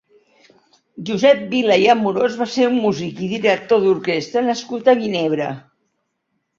Josep Vila i Amorós va ser un músic i director d'orquestra nascut a Vinebre.